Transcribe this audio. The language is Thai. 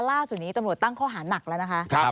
ล่าสุดนี้ตำรวจตั้งข้อหานักแล้วนะคะ